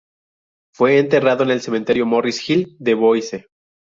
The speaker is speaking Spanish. Fue enterrado en el Cementerio Morris Hill de Boise.